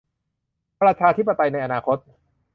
ประชาธิปไตยในอนาคต